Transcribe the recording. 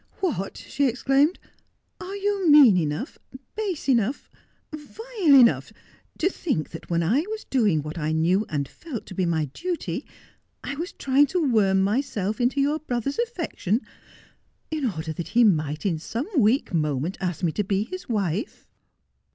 ' What ?' she exclaimed, ' are you mean enough, base enough, vile enough, to think that, when I was doing what I knew and felt to be my duty, I was trying to worm myself into your brother's affection, in order that he might, in some weak moment, ask me to be his wife